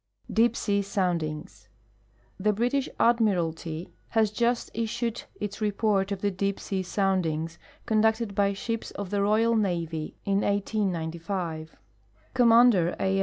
Deep se.\ Soundings. The British Admiralty has just issued its report of the deep sea soundings conducted by shij^s of the royal navy in 1895. Commander A.